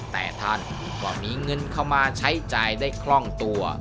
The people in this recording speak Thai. แต่ท่านก็มีเงินเข้ามาใช้จ่ายได้คล่องตัว